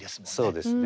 そうですね。